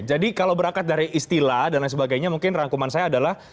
jadi kalau berangkat dari istilah dan lain sebagainya mungkin rangkuman saya adalah